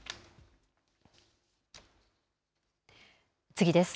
次です。